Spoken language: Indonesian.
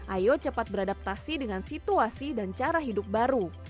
ayo cepat beradaptasi dengan situasi dan cara hidup baru